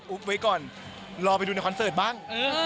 ไว้ก่อนรอไปดูในคอนเสิร์ตบ้าง